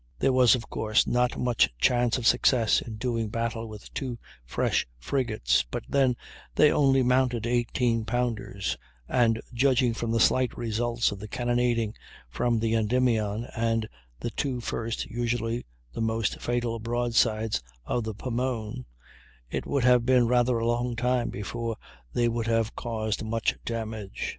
There was, of course, not much chance of success in doing battle with two fresh frigates; but then they only mounted eighteen pounders, and, judging from the slight results of the cannonading from the Endymion and the two first (usually the most fatal) broadsides of the Pomone, it would have been rather a long time before they would have caused much damage.